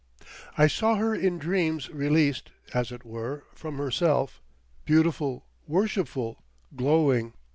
I saw her in dreams released, as it were, from herself, beautiful, worshipful, glowing.